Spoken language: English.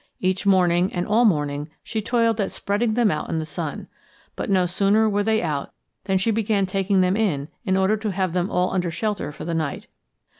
Each morning, and all morning, she toiled at spreading them out in the sun. But no sooner were they out than she began taking them in in order to have them all under shelter for the night.